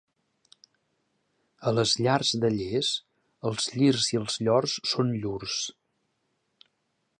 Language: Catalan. A les llars de Llers, els llirs i els llors són llurs.